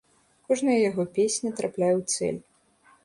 Кожная яго песня трапляе ў цэль.